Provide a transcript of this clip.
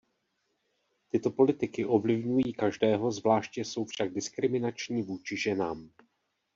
Tyto politiky ovlivňují každého, zvláště jsou však diskriminační vůči ženám.